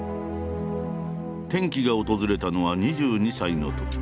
転機が訪れたのは２２歳のとき。